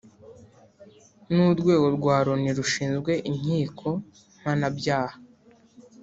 n’urwego rwa Loni rushinzwe inkiko mpanabyaha